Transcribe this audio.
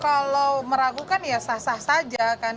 kalau meragukan ya sah sah saja kan